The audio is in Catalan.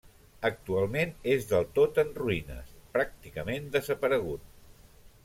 Actualment és del tot en ruïnes, pràcticament desaparegut.